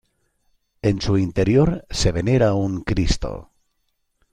En su interior se venera un Cristo.